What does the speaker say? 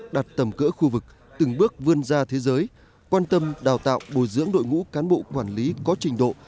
đặt tầm cỡ khu vực từng bước vươn ra thế giới quan tâm đào tạo bồi dưỡng đội ngũ cán bộ quản lý có trình độ